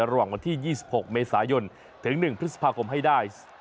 ระหว่างวันที่๒๖เมษายนถึง๑พฤษภาคมให้ได้